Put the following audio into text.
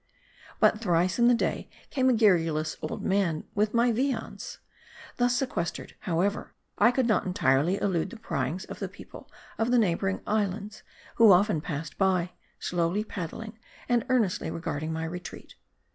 But thrice in the day came a garrulous old man with my viands. Thus sequestered, however, I could not entirely elude the pryings of the people of the neighboring islands ; who often passed by, slowly paddling, and earnestly regarding my re treat.